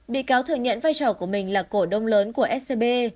bị cáo thừa nhận vai trò của mình là cổ đông lớn của scb